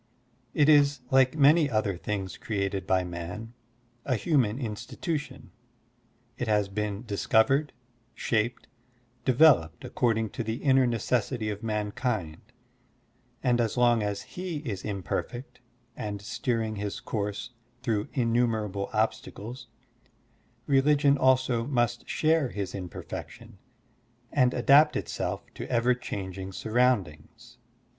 It is, like many other things created by man, a htrnian institution; it has been discovered, shaped, developed according to the inner necessity of mankind; and as long as he is imperfect and steering his course through innumerable obstacles, religion also must share his imperfection and Digitized by Google BUDDHIST ETHICS 77 adapt itself to ever changing surrotindings.